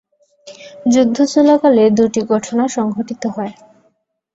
যুদ্ধ চলাকালে দুটি ঘটনা সংঘটিত হয়।